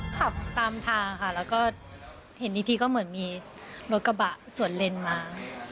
ขับตามทางค่ะแล้วก็เห็นอีกทีก็เหมือนมีรถกระบะสวนเลนมา